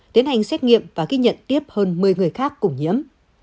tiến hành xét nghiệm và ghi nhận tiếp hơn một mươi người khác cùng nhiễm